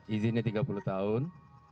izinnya tiga puluh tahun